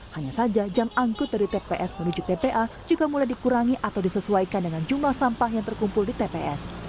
hanya saja jam angkut dari tps menuju tpa juga mulai dikurangi atau disesuaikan dengan jumlah sampah yang terkumpul di tps